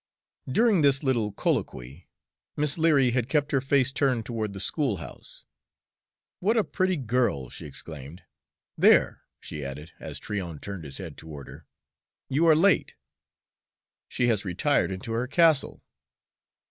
During this little colloquy, Miss Leary had kept her face turned toward the schoolhouse. "What a pretty girl!" she exclaimed. "There," she added, as Tryon turned his head toward her, "you are too late. She has retired into her castle.